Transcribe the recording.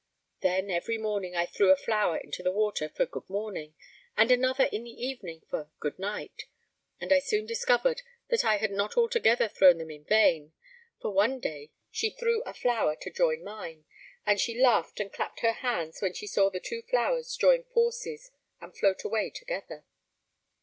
Then every morning I threw a flower into the water for 'good morning', and another in the evening for 'goodnight', and I soon discovered that I had not altogether thrown them in vain, for one day she threw a flower to join mine, and she laughed and clapped her hands when she saw the two flowers join forces and float away together.